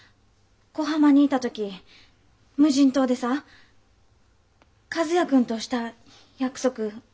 小浜にいた時無人島で和也君とした約束覚えてる？